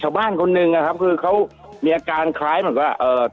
คุณติเล่าเรื่องนี้ให้ฟังหน่อยครับมันเป็นหมายยังไงฮะ